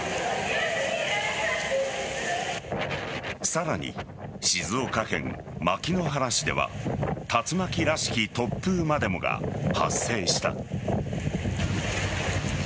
さらに、静岡県牧之原市では竜巻らしき突風までもが発生した。